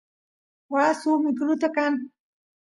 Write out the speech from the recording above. waa suk mikiluta qaan